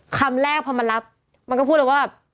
คำแรกพอมารับมันก็พูดเลยว่าแบบ